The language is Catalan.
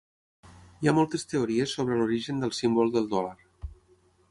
Hi ha moltes teories sobre l'origen del símbol del dòlar.